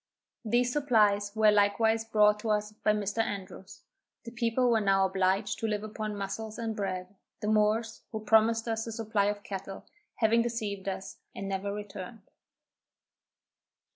These supplies were likewise brought us by Mr. Andrews. The people were now obliged to live upon muscles and bread, the Moors, who promised us a supply of cattle, having deceived us, and never returned.